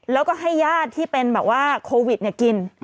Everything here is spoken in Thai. แล้วก็ให้ญาติที่เป็นโควิดกิน